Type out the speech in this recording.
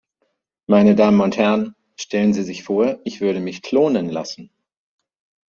Meine Damen und Herren, stellen Sie sich vor, ich würde mich klonen lassen!